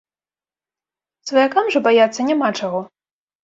Сваякам жа баяцца няма чаго.